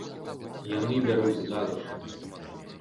Яны бяруць за душу!